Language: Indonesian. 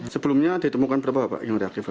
sebelumnya ditemukan berapa yang reaktif